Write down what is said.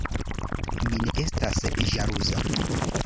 Mi ne estas ĵaluza“.